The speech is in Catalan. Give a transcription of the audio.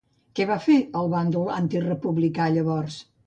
Què va fer el bàndol antirepublicà llavors?